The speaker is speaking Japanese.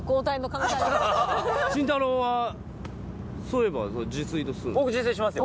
慎太郎はそういえば自炊ってするの？